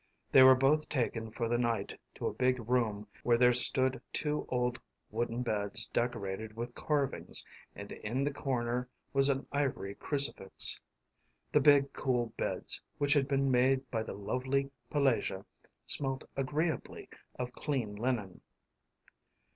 They were both taken for the night to a big room where there stood two old wooden beds decorated with carvings, and in the corner was an ivory crucifix. The big cool beds, which had been made by the lovely Pelagea, smelt agreeably of clean linen.